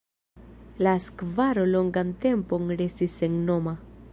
La skvaro longan tempon restis sennoma.